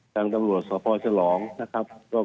ทางตำรวจสพฉลองนะครับ